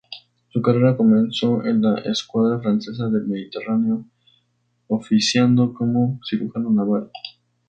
Su carrera comenzó en la escuadra francesa del Mediterráneo, oficiando como cirujano naval.